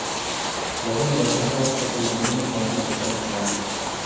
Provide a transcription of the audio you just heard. پلرونه به تر هغه وخته پورې د نجونو ښوونځي ته تګ څاري.